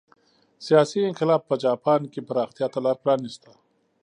سیاسي انقلاب په جاپان کې پراختیا ته لار پرانېسته.